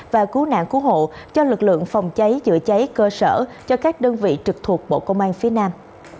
và cứu nạn cứu hộ cho lực lượng phòng cháy chữa cháy cơ sở cho các đơn vị trực thuộc bộ công an phía nam